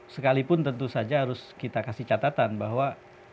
sekalipun tentu saja harus kita kasih catatan bahwa